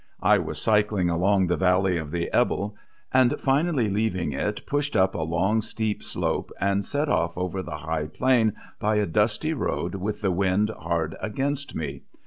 I was cycling along the valley of the Ebble, and finally leaving it pushed up a long steep slope and set off over the high plain by a dusty road with the wind hard against me.